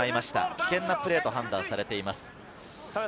危険なプレーと判断されています。